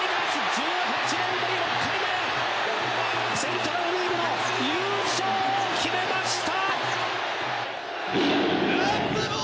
１８年ぶり６回目のセントラルリーグの優勝を決めました！